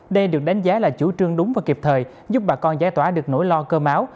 đây được đánh giá là chủ trương đúng và kịp thời giúp bà con giải tỏa được nỗi lo cơ máu